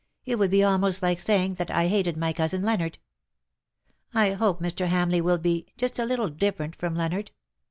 It would be almost like saying that I hated my cousin Leonard. I hope Mr. Hamleigh will be — ^just a little different from Leonard.